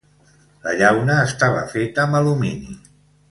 La llauna estava feta amb alumini.